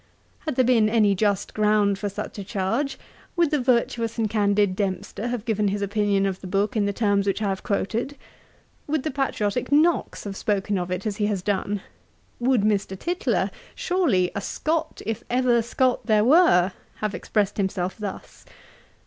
Had there been any just ground for such a charge, would the virtuous and candid Dempster have given his opinion of the book, in the terms which I have quoted? Would the patriotick Knox have spoken of it as he has done? Would Mr. Tytler, surely ' a Scot, if ever Scot there were,' have expressed himself thus?